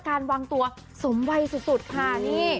การวางตัวสมวัยอยู่สุดค่ะ